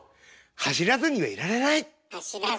「走らずにはいられない」ね。